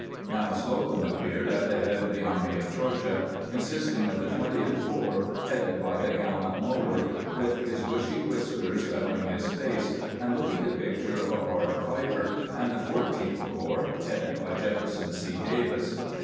Now Slocum appeared at the head of the Army of Georgia, consisting of the Twentieth Corps, headed by the gallant Mower, with his bushy whiskers covering his face, and looking the picture of a hard fighter, and the Fourteenth Corps, headed by Jefferson C. Davis.